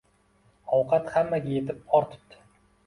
Ovqat hammaga yetib ortibdi.